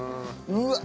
うわっ！